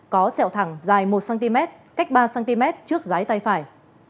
có sẹo thẳng dài một cm cách ba cm trước giái tai phải